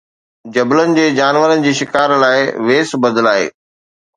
جبل جي جانورن جي شڪار لاءِ ويس بدلائي